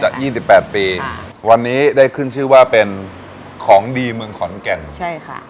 ยี่สิบแปดปีค่ะวันนี้ได้ขึ้นชื่อว่าเป็นของดีเมืองขอนแก่นใช่ค่ะ